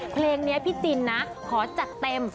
เพลงนี้พี่จินนะขอจัดเต็ม